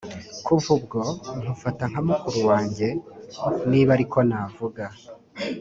Kuva ubwo nkufata nka mukuru wanjye niba ariko navuga